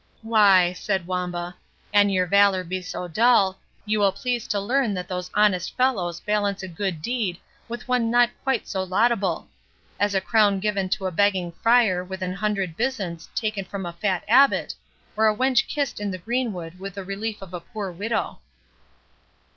"Why," said Wamba, "an your valour be so dull, you will please to learn that those honest fellows balance a good deed with one not quite so laudable; as a crown given to a begging friar with an hundred byzants taken from a fat abbot, or a wench kissed in the greenwood with the relief of a poor widow."